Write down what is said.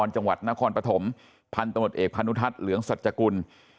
จังหวัดนครปฐมพันธมตเอกพานุทัศน์เหลืองสัจกุล